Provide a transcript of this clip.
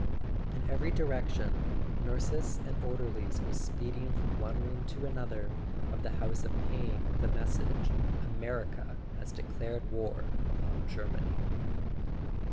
In every direction nurses and orderlies w r ere speeding from one room to another of the house of pain with the message: "America has de¬ clared war on Germany."